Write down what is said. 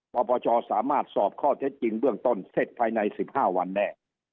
ปปชสามารถสอบข้อเท็จจริงเบื้องต้นเสร็จภายใน๑๕วันแน่